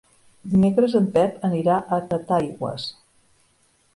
Dimecres en Pep anirà a Titaigües.